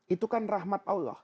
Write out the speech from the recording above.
itu kan rahmat allah